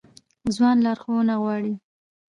ځوان لارښوونه غواړي